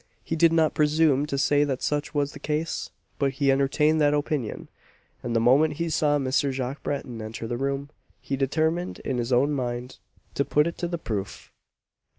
He did not presume to say that such was the case, but he entertained that opinion; and the moment he saw Mr. Jacques Breton enter the room, he determined in his own mind to put it to the proof.